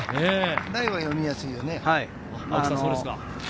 ラインは読みやすいよね。